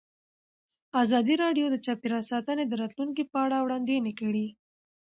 ازادي راډیو د چاپیریال ساتنه د راتلونکې په اړه وړاندوینې کړې.